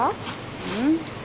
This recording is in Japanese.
うん？